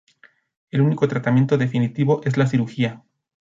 El único tratamiento definitivo es la cirugía.